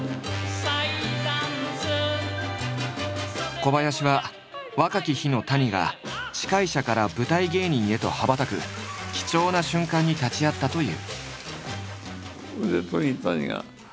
小林は若き日の谷が司会者から舞台芸人へと羽ばたく貴重な瞬間に立ち会ったという。